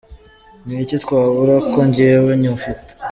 Niki twabura? , Ko njyewe ngufite..